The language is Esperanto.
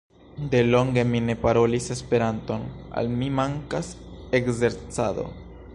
De longe mi ne parolis Esperanton, al mi mankas ekzercado.